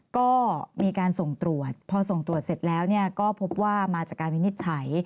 ก็มีการส่งตรวจพอส่งตรวจเสร็จแล้วก็พบว่ามาจากการวินิจฉัย